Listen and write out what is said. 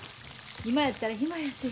今やったら暇やし。